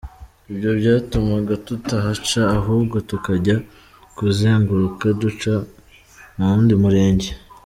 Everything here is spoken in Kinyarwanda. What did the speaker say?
Ibyo byatumaga tutahaca ahubwo tukajya kuzenguruka duca muwundi murenge.